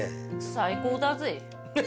最高だぜ。